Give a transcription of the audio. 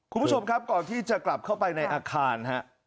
คุณผู้ชมครับก่อนที่จะกลับเข้าไปในอาคารฮะ